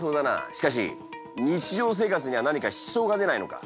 しかし日常生活には何か支障が出ないのか？